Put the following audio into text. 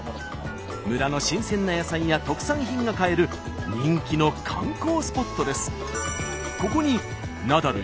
村の新鮮な野菜や特産品が買える人気の観光スポットです。